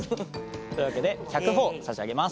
というわけで１００ほぉ差し上げます。